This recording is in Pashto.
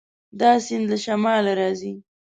دا سیند له شماله راځي.